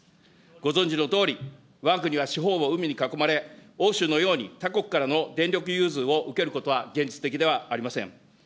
ご存じのとおり、わが国は四方を海に囲まれ、欧州のように他国からの電力融通を受けることは現実的ではありません。